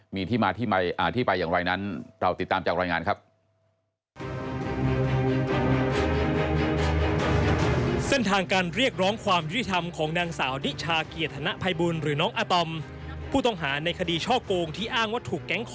มีที่มาที่ไม่อ่านที่ไปอย่างไรนั้น